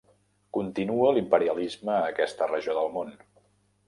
Continua l'imperialisme a aquesta regió del món.